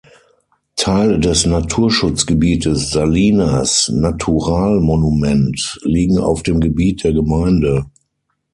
Teile des Naturschutzgebietes Salinas Natural Monument liegen auf dem Gebiet der Gemeinde.